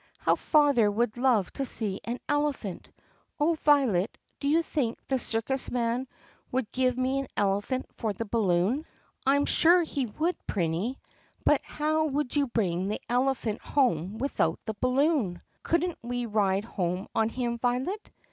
"How father would love to see an elephant! Oh, Violet, do you think the circus man would give me an elephant for the balloon?" "I am sure he would, Prinny, but how would you bring the elephant home without the balloon?" "Could n't we ride home on him, Violet?"